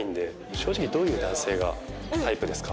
正直どういう男性がタイプですか？